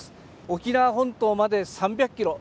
沖縄本島まで３００キロ